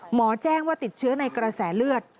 หมอแจ้งว่าติดเชื้อในกระแสเลือด